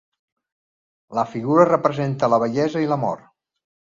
La figura representa la vellesa i la mort.